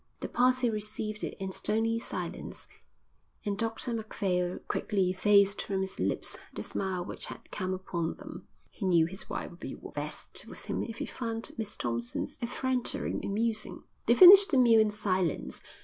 The party received it in stony silence, and Dr Macphail quickly effaced from his lips the smile which had come upon them. He knew his wife would be vexed with him if he found Miss Thompson's effrontery amusing. They finished the meal in silence.